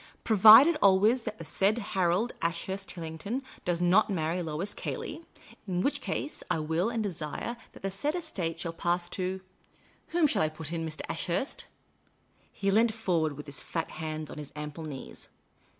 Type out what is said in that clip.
" Provided always that the said Harold Ashurst Tillington does not marry Lois Cayley ; in which case I will and desire that the said estate shall pass to whom shall I put in, Mr. Ashurst?" He leant forward with his fat hands on his ample knees.